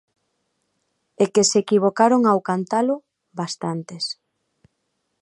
E que se equivocaron ao cantalo, bastantes.